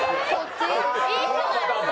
いい人だよ！